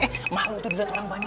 malu tuh dilihat orang banyak